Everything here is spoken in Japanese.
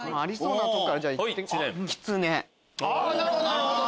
なるほどなるほど！